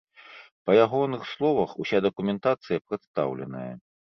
Па ягоных словах, уся дакументацыя прадстаўленая.